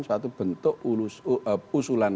suatu bentuk usulan